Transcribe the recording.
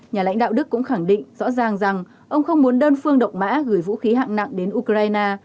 nhà lãnh đạo đức cũng khẳng định rõ ràng rằng ông không muốn đơn phương độc mã gửi vũ khí hạng nặng đến ukraine